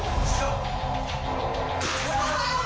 うわ！